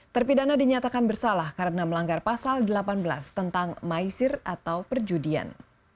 terpidana dinyatakan bersalah karena melanggar pasal delapan belas tentang maisir atau perjudian